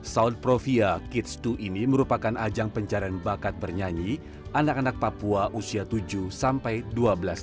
soundprovia kids dua ini merupakan ajang pencarian bakat bernyanyi anak anak papua usia tujuh sampai sepuluh tahun